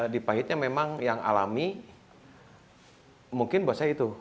di pahitnya memang yang alami mungkin buat saya itu